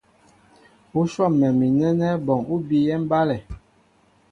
U swɔ́mɛ mi nɛ́nɛ́ bɔŋ u bíyɛ́ mbálɛ.